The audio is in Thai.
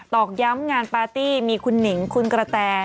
อกย้ำงานปาร์ตี้มีคุณหนิงคุณกระแต